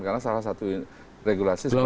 karena salah satu regulasi seperti ini